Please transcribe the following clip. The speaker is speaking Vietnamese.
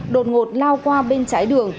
đột ngột lao qua bên trái đường